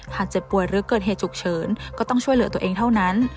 เจ็บป่วยหรือเกิดเหตุฉุกเฉินก็ต้องช่วยเหลือตัวเองเท่านั้น